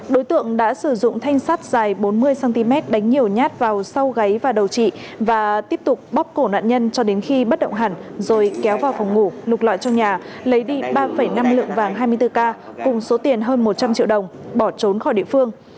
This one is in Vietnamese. đối tượng đã sử dụng thanh sắt dài bốn mươi cm đánh nhiều nhát vào sau gáy và đầu chị và tiếp tục bóp cổ nạn nhân cho đến khi bất động hẳn rồi kéo vào phòng ngủ nục lại trong nhà lấy đi ba năm lượng vàng hai mươi bốn k cùng số tiền hơn một trăm linh triệu đồng bỏ trốn khỏi địa phương